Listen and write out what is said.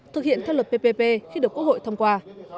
thực hiện theo luật ppp khi được quốc hội thông qua